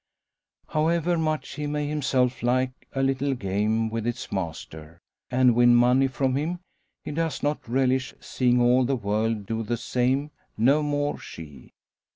However much he may himself like a little game with its master, and win money from him, he does not relish seeing all the world do the same; no more she.